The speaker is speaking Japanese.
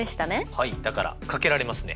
はいだからかけられますね。